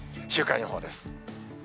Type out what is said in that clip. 週間予報です。